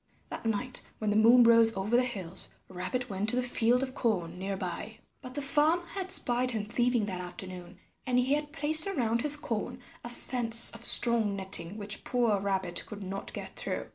That night when the moon rose over the hills Rabbit went to the field of corn near by. But the farmer had spied him thieving that afternoon, and he had placed around his corn a fence of strong netting which poor Rabbit could not get through.